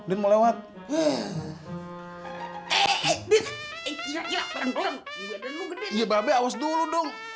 iya babi awas dulu dong